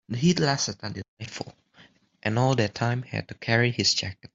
The heat lasted until nightfall, and all that time he had to carry his jacket.